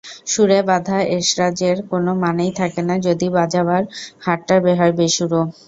সুরে-বাঁধা এসরাজের কোনো মানেই থাকে না যদি বাজাবার হাতটা হয় বেসুরো।